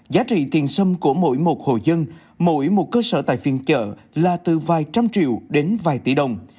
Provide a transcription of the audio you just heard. giá trị tiền sâm của mỗi một hồ dân mỗi một cơ sở tại phiền chợ là từ vài trăm triệu đến vài tỷ đồng